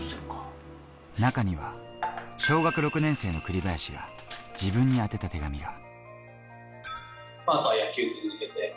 中には小学６年生の栗林が自分に宛た手紙が。